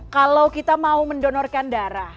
kalau kita mau mendonorkan darah